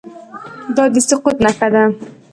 دا د سقوط نښه ده.